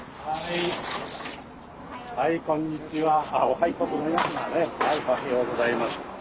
おはようございます。